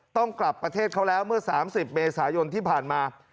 ต้องกลับประเทศเขาแล้วเมื่อ๓๐เมษายนที่ผ่านมา